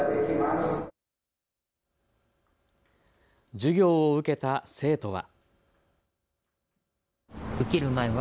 授業を受けた生徒は。